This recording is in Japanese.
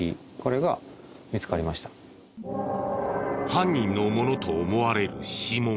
犯人のものと思われる指紋。